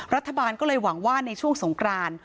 รัฐบาลก็เลยหวังว่าในช่วงสงคราน